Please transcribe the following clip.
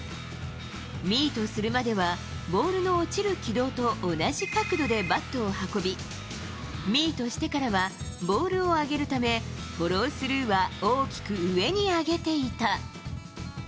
ミートするまでは、ボールの落ちる軌道と同じ角度でバットを運び、ミートしてからは、ボールを上げるため、フォロースルーは大きく上に上げていた。